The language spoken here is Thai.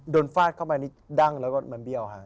ฟาดเข้ามานี่ดั้งแล้วก็มันเบี้ยวฮะ